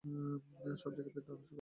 সব জায়গাতেই ডাইনোসর আছে।